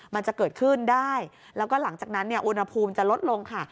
มันจะเกิดขึ้นได้แล้วก็หลังจากนั้นเนี่ยอุณหภูมิจะลดลงค่ะ